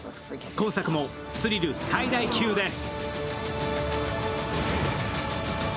今作もスリル最大級です。